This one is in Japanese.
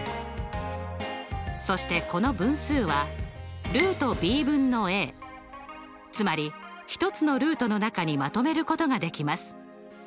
そしてこの分数はつまり１つのルートの中にまとめることができます。